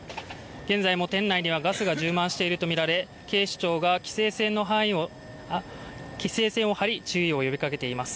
現在も店内にはガスが充満しているとみられ警視庁が規制線を張り注意を呼びかけています。